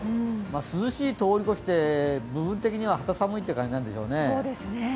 涼しいを通り越して、部分的には肌寒い感じなんでしょうね。